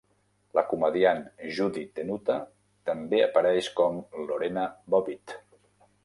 La comediant Judy Tenuta també apareix com Lorena Bobbitt.